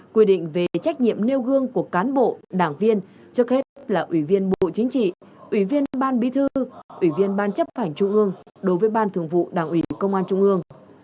quy định về trách nhiệm nêu gương của cán bộ đảng viên trước hết là ủy viên bộ chính trị ủy viên ban bí thư ủy viên ban chấp hành trung ương đối với ban thường vụ đảng ủy công an trung ương